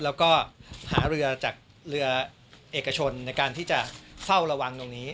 แล้วก็หาเรือจากเรือเอกชนในการที่จะเฝ้าระวังตรงนี้